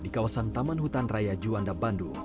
di kawasan taman hutan raya juanda bandung